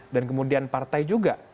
dan kemudian partai juga